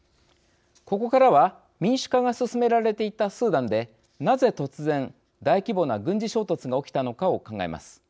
ここからは民主化が進められていたスーダンでなぜ、突然、大規模な軍事衝突が起きたのかを考えます。